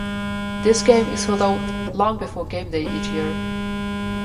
This game is sold out long before gameday each year.